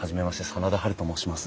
真田ハルと申します。